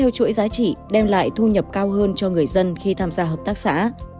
chỉ đem lại thu nhập cao hơn cho người dân khi tham gia hợp tác xã